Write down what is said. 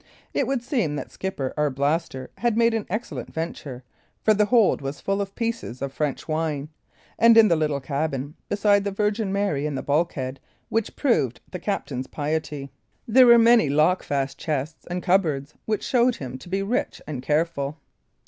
It would seem that Skipper Arblaster had made an excellent venture, for the hold was full of pieces of French wine; and in the little cabin, besides the Virgin Mary in the bulkhead which proved the captain's piety, there were many lockfast chests and cupboards, which showed him to be rich and careful.